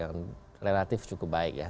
yang relatif cukup baik ya